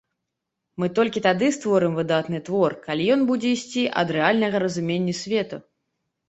Мы толькі тады створым выдатны твор, калі ён будзе ісці ад рэальнага разумення свету.